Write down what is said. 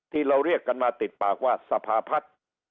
ที่เราเรียกกันมาติดปากว่าสภาพัฒน์